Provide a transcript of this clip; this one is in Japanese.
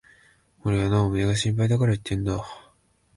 俺はな、おめえが心配だから言ってるんだ。